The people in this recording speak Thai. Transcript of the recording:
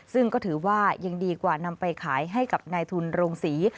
ซึ่งก็ถือว่ายังดีกว่านำไปขายให้กับนายทุนโรงศรี